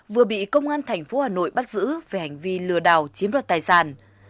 vừa bị công an thành phố hà nội bắt giữ về hành vi lừa đảo chiếm đoạt tài sản